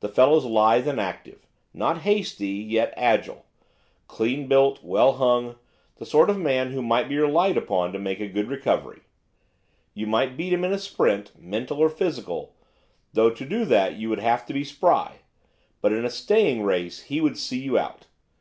The fellow's lithe and active; not hasty, yet agile; clean built, well hung, the sort of man who might be relied upon to make a good recovery. You might beat him in a sprint, mental or physical though to do that you would have to be spry! but in a staying race he would see you out.